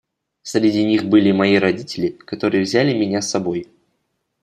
Среди них были мои родители, которые взяли меня с собой.